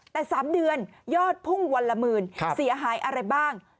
แต่๓เดือนยอดพุ่งวันละหมื่นเสียหายอะไรบ้าง